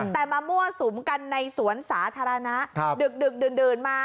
แต่มามั่วสุมกันในสวนสาธารณะดึกดื่นมา